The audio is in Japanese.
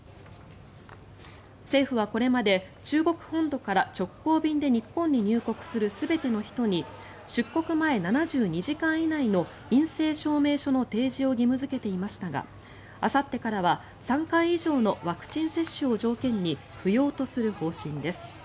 政府はこれまで中国本土から直行便で日本に入国する全ての人に出国前７２時間以内の陰性証明書の提示を義務付けていましたがあさってからは３回以上のワクチン接種を条件に不要とする方針です。